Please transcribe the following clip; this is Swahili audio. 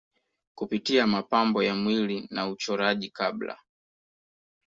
kupitia mapambo ya mwili na uchoraji Kabla